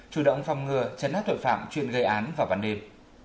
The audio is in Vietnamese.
chủ động phòng ngừa chấn át tội phạm chuyện gây án và văn đềm